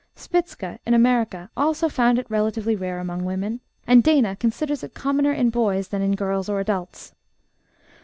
Spitzka, in America, also found it relatively rare among women, and Dana considers it commoner in boys than in girls or adults.